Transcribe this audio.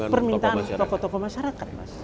permintaan tokoh tokoh masyarakat